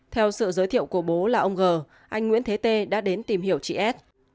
theo sự giới thiệu của bố là ông g anh nguyễn thế tê đã đến tìm hiểu chị s